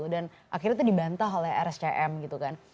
dan akhirnya itu dibantah oleh rscm gitu kan